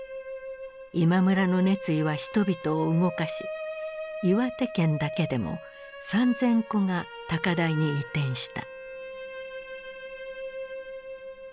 今村の熱意は人々を動かし岩手県だけでも３，０００戸が高台に移転した。